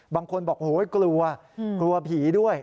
บางคนบอกกลัวผีด้วย